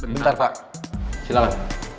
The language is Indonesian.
bentar pak silahkan